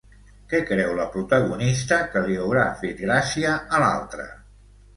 Què creu la protagonista que li haurà fet gràcia a l'altra?